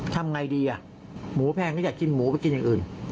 ทำไงดีอ่ะหมูแพงก็อยากกินหมูไปกินอย่างอื่น